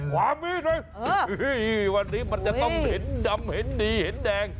คว้ามีดเลยเออวันนี้มันจะต้องเห็นดำเห็นดีเห็นแดง